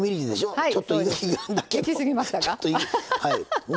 はい。